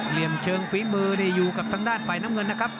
เหลี่ยมเชิงฝีมือนี่อยู่กับทางด้านฝ่ายน้ำเงินนะครับ